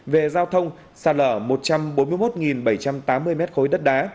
về giao thông xa lở một trăm bốn mươi một bảy trăm tám mươi m khối đất đá